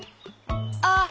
あっ！